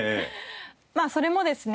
まあそれもですね